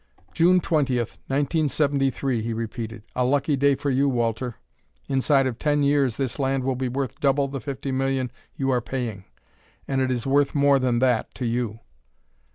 "June twentieth, nineteen seventy three," he repeated; "a lucky day for you, Walter. Inside of ten years this land will be worth double the fifty million you are paying and it is worth more than that to you."